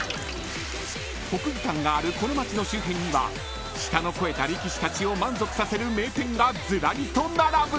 ［国技館があるこの街の周辺には舌の肥えた力士たちを満足させる名店がずらりと並ぶ］